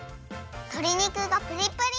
とり肉がプリプリ！